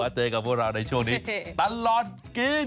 เจอกับพวกเราในช่วงนี้ตลอดกิน